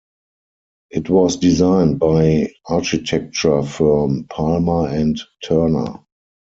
It was designed by architecture firm Palmer and Turner.